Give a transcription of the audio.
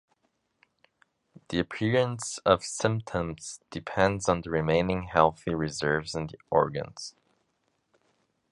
The appearance of symptoms depends on the remaining healthy reserves in the organs.